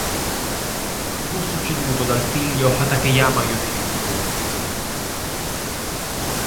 Fu succeduto dal figlio Hatakeyama Yoshitsugu.